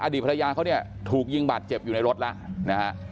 อดีตภรรยาเขาถูกยิงบาดเจ็บอยู่ในรถนะฮะ